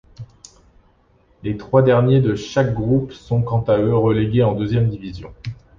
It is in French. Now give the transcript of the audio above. Les trois derniers de chaque groupe sont quant à eux relégués en deuxième division.